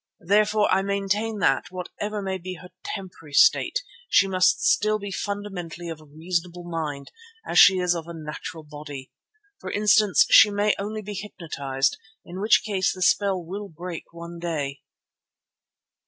Therefore I maintain that, whatever may be her temporary state, she must still be fundamentally of a reasonable mind, as she is of a natural body. For instance, she may only be hypnotized, in which case the spell will break one day."